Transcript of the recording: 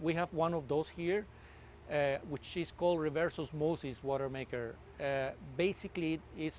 kita punya satu dari mereka di sini yang disebut watermaker reverse osmosis